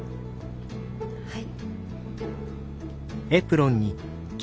はい。